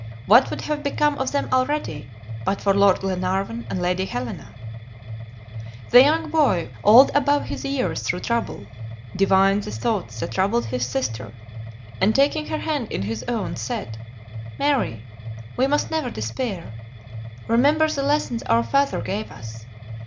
What would have become of them already, but for Lord Glenarvan and Lady Helena? The young boy, old above his years through trouble, divined the thoughts that troubled his sister, and taking her hand in his own, said, "Mary, we must never despair. Remember the lessons our father gave us.